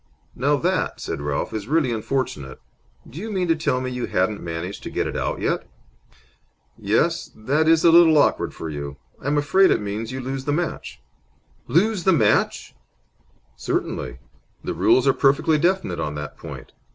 "Now that," said Ralph, "is really unfortunate! Do you mean to tell me you hadn't managed to get it out yet? Yes, that is a little awkward for you. I'm afraid it means that you lose the match." "Lose the match?" "Certainly. The rules are perfectly definite on that point.